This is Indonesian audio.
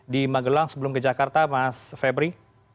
di magelang sebelum ke jakarta mas febri